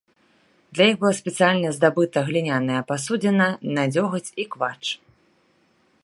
Для іх была спецыяльна здабыта гліняная пасудзіна на дзёгаць і квач.